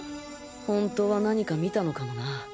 本当は何か見たのかもな。